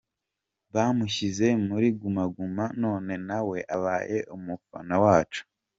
Bamushyize muri Guma Guma none na we abaye umufana wacu.